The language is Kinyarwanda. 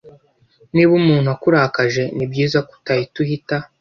Niba umuntu akurakaje, nibyiza ko utahita uhita.